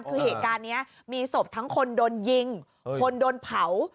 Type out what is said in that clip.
คือเหตุการณ์นี้มีศพทั้งคนโดนยิงคนโดนเผา